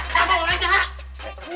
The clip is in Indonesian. kamu mau langsung ke sana